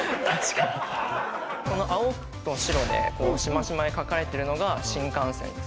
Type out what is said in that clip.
この青と白でしましまに描かれてるのが新幹線です。